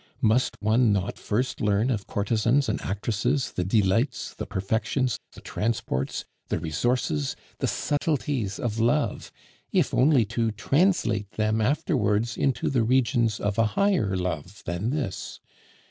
Must one not first learn of courtesans and actresses the delights, the perfections, the transports, the resources, the subtleties of love, if only to translate them afterwards into the regions of a higher love than this?